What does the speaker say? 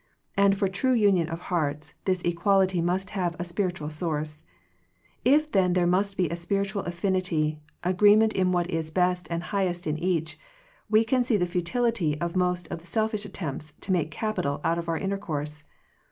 And for true union of hearts, this equality must have a spiritual source. If then there must be some spiritual affinity, agree ment in what is best and highest in each, we can see the futility of most of the selfish attempts to make capital out of our intercourse.